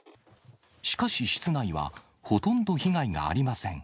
しかし室内は、ほとんど被害がありません。